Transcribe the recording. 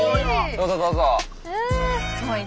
どうぞどうぞ。